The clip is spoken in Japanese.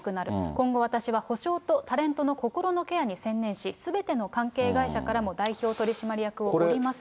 今後、私は補償とタレントの心のケアに専念し、すべての関係会社からも代表取締役を降りますと。